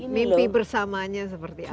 mimpi bersamanya seperti apa